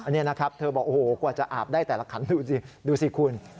นี่นะครับเธอบอกโอ้โหกว่าจะอาบได้แต่ละคันดูสิดูสิคุณ